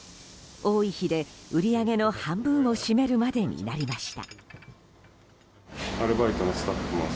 多い日で売り上げの半分を占めるまでになりました。